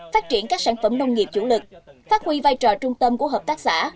phát triển các sản phẩm nông nghiệp chủ lực phát huy vai trò trung tâm của hợp tác xã